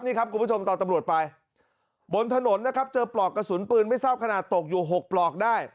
นี่ครับคุณผู้ชมตอนตำรวจไปบนถนนนะครับเจอปลอกกระสุนปืนไม่ทราบขนาดตกอยู่๖ปลอกได้